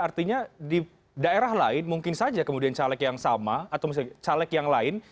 artinya di daerah lain mungkin saja kemudian caleg yang sama atau misalnya caleg yang lain